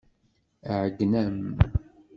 Iɛeyyen-am.